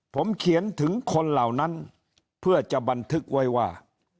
ผมเขียนถึงคนเหล่านั้นเพื่อจะบันทึกไว้ว่า